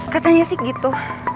katanya sih gitu